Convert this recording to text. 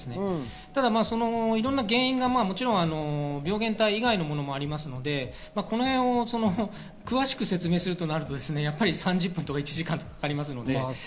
ただ原因がもちろん病原体以外のものもありますので、このへんを詳しく説明するとなると３０分とか１時間とかかかります。